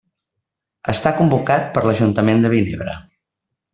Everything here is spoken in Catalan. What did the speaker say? Està convocat per l'ajuntament de Vinebre.